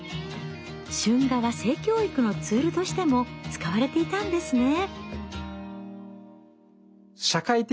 春画は性教育のツールとしても使われていたんですね。